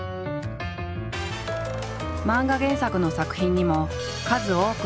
漫画原作の作品にも数多く出演。